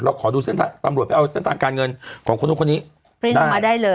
เราขอดูตำรวจไปเอาเส้นทางการเงินของคนทุกนี้ได้